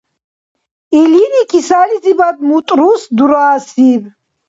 Илини кисализибад мутӏрус дурасиб.